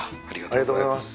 ありがとうございます。